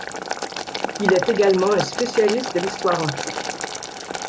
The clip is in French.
Il est également un spécialiste de l'Histoire antique.